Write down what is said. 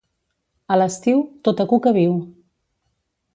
A l'estiu, tota cuca viu